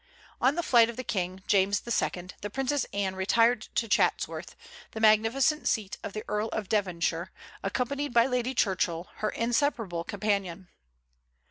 On the flight of the King, James II., the Princess Anne retired to Chatsworth, the magnificent seat of the Earl of Devonshire, accompanied by Lady Churchill, her inseparable companion.